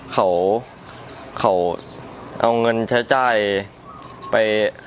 เขาเขาเอาเงินใช้จ่ายไป